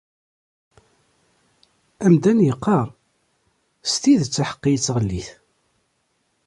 Amdan iqqar: S tidet, aḥeqqi yettɣellit.